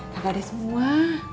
nggak ada semua